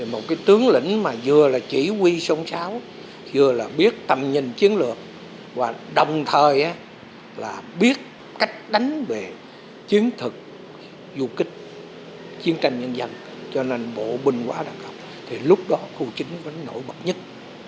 một cái tướng lĩnh mà vừa là chỉ huy sông sáu vừa là biết tầm nhìn chiến lược và đồng thời là biết cách đánh về chiến thực du kích chiến tranh nhân dân cho nên bộ binh quá đặc học thì lúc đó khu chính vẫn nổi bật nhất